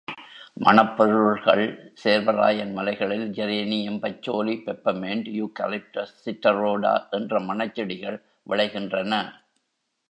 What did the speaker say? மணப் பொருள்கள் சேர்வராயன் மலைகளில் geranium patchouli, peppermint, eucalyptus, citriodora என்ற மணச் செடிகள் விளைகின்றன.